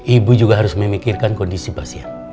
ibu juga harus memikirkan kondisi pasien